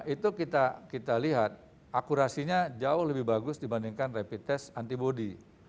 itu kita lihat akurasinya jauh lebih bagus dibandingkan rapid test antibody